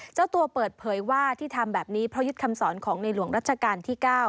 เจ้าตัวเปิดเผยว่าที่ทำแบบนี้เพราะยึดคำสอนของในหลวงรัชกาลที่๙